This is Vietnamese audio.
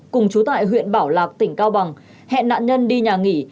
cùng chú tại huyện bảo lạc tỉnh cao bằng hẹn nạn nhân đi nhà nghỉ